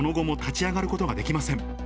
その後も立ち上がることができません。